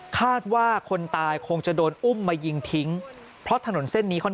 คาดว่าคนตายคงจะโดนอุ้มมายิงทิ้งเพราะถนนเส้นนี้ค่อนข้าง